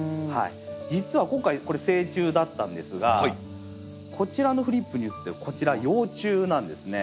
実は今回これ成虫だったんですがこちらのフリップに写ってるこちら幼虫なんですね。